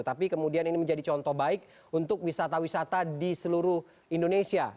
tapi kemudian ini menjadi contoh baik untuk wisata wisata di seluruh indonesia